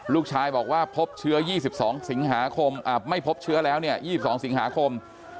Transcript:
ลูกชายบอกว่าพบเชื้อ๒๒สิงหาคมไม่พบเชื้อแล้ว๒๒สิงหาคม